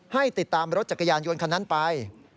ให้ติดตามรถจักรยานยนต์คันนั้นไป